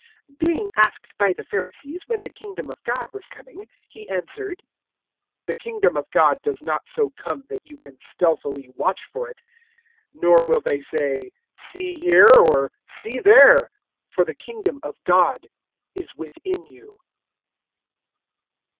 017:020 Being asked by the Pharisees when the Kingdom of God was coming, He answered, "The Kingdom of God does not so come that you can stealthily watch for it. 017:021 Nor will they say, `See here!' or `See there!' for the Kingdom of God is within you."